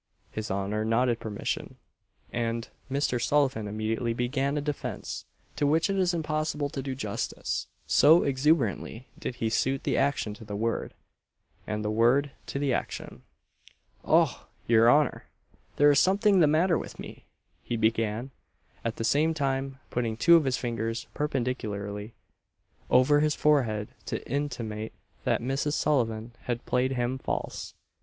His honour nodded permission, and Mr. Sullivan immediately began a defence, to which it is impossible to do justice; so exuberantly did he suit the action to the word, and the word to the action. "Och! your honour, there is something the matter with me!" he began; at the same time putting two of his fingers perpendicularly over his forehead to intimate that Mrs. Sullivan had played him false.